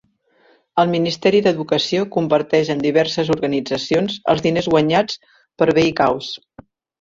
El Ministeri d'Educació comparteix amb diverses organitzacions els diners guanyats per Veikkaus.